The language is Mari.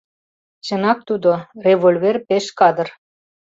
Чынак тудо, револьвер пеш кадр.